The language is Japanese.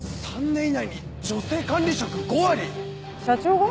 ３年以内に女性管理職５割⁉社長が？